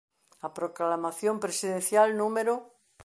A Proclamación Presidencial núm.